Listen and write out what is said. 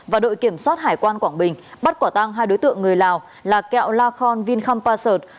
và đội kiểm soát hải quan quảng bình bắt quả tăng hai đối tượng người lào là kẹo la khon vinhampasert